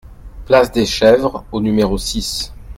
Place des Chèvres au numéro six